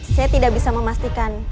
saya tidak bisa memastikan